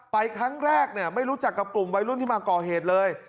ครั้งแรกไม่รู้จักกับกลุ่มวัยรุ่นที่มาก่อเหตุเลย